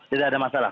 tidak ada masalah